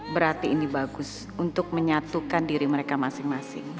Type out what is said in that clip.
berarti ini bagus untuk menyatukan diri mereka masing masing